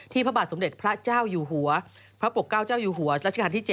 พระบาทสมเด็จพระเจ้าอยู่หัวพระปกเก้าเจ้าอยู่หัวรัชกาลที่๗